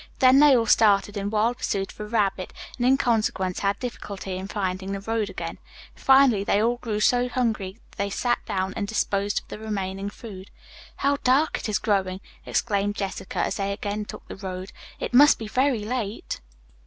Then they all started in wild pursuit of a rabbit, and in consequence had difficulty in finding the road again. Finally they all grew so hungry they sat down and disposed of the remaining food. "How dark it is growing," exclaimed Jessica, as they again took the road. "It must be very late."